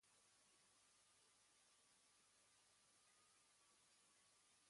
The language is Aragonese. D'agüerro ya i hai ferraina en toz estos praus.